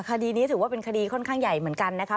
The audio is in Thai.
คดีนี้ถือว่าเป็นคดีค่อนข้างใหญ่เหมือนกันนะคะ